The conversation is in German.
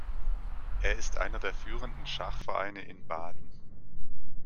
Er ist einer der führenden Schachvereine in Baden.